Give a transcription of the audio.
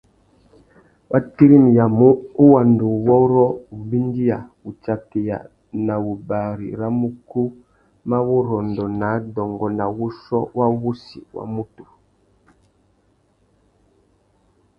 Wa tirimiya wuwanduwôrrô, wubindiya, wutsakeya na wubari râ mukú mà wurrôndô nà adôngô nà wuchiô wa wussi wa MUTU.